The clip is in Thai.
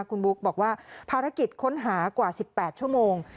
คุณบุ๊กบอกว่าภารกิจค้นหากว่า๑๘ชั่วโมง